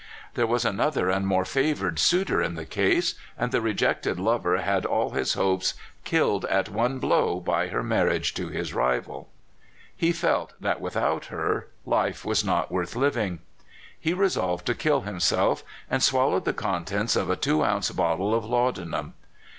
There was another and more favored suitor in the case, and the rejected lover had all his hopes killed at one blow by her mar riage to his rival. He felt that without her life was not worth living. He resolved to kill himself, and swallowed the contents of a two ounce bottle of laudanum.